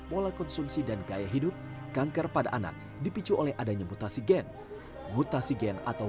pola konsumsi dan gaya hidup kanker pada anak dipicu oleh adanya mutasi gen mutasi gen atau